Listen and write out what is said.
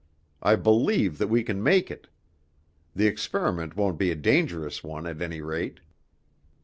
I believe that we can make it. The experiment won't be a dangerous one at any rate."